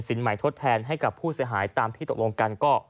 ใหม่ทดแทนให้กับผู้เสียหายตามที่ตกลงกันก็